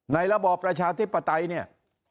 ระบอบประชาธิปไตยเนี่ย